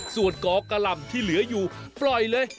ส่วนกอกะหล่ำที่เหลืออยู่ปล่อยเลย